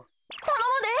たのむで。